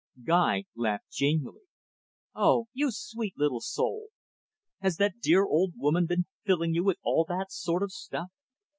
Guy laughed genially. "Oh, you sweet little soul. Has that dear old woman been filling you with all that sort of stuff?